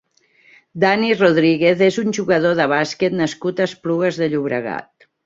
Dani Rodríguez és un jugador de bàsquet nascut a Esplugues de Llobregat.